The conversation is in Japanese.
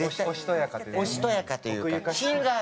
おしとやかというか品がある。